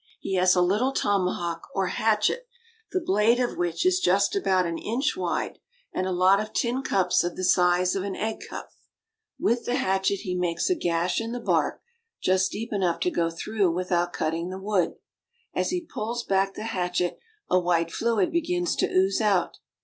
He has a little tomahawk, or hatchet, the blade of which is just about an inch wide, and a lot of tin cups of the size of an egg cup. With the hatchet he makes a gash in the bark, just deep enough to go through without cutting the wood. As he pulls back the hatchet a white fluid begins to ooze out.